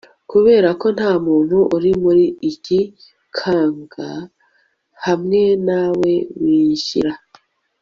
Kuberako ntamuntu uri muri iki kaga hamwe na we winjira